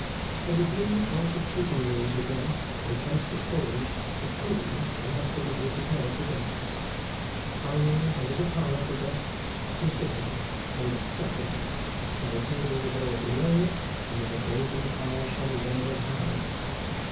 There were gloomy vaulted sleeping rooms within, intensely cold, but clean and hospitably prepared for guests. Finally, there was a parlour for guests to sit in and sup in, where a table was already laid, and where a blazing fire shone red and high.